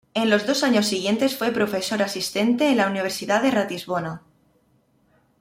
En los dos años siguientes fue profesor asistente en la Universidad de Ratisbona.